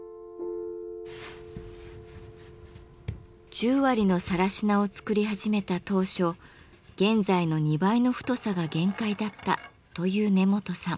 十割の更科を作り始めた当初現在の２倍の太さが限界だったという根本さん。